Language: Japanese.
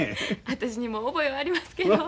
私にも覚えはありますけど。